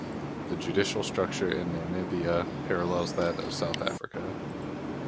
The judicial structure in Namibia parallels that of South Africa.